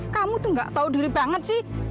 kamu tuh gak tahu diri banget sih